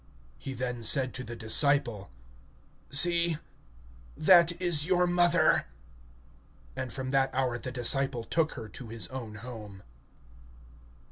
(27)Then he says to the disciple: Behold thy mother! And from that hour the disciple took her to his own home.